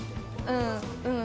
うんうん。